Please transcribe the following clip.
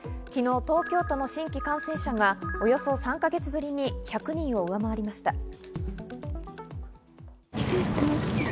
昨日、東京都の新規感染者がおよそ３か月ぶりに１００人を上回りました。